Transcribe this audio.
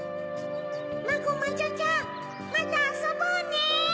マゴマジョちゃんまたあそぼうね。